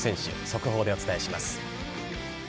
速報でお伝えします。